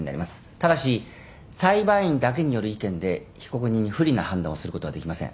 ただし裁判員だけによる意見で被告人に不利な判断をすることはできません。